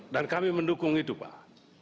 dan kami mendukung itu pak